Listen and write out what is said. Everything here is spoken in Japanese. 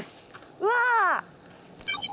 うわ！